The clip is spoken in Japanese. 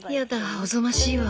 おぞましいわ。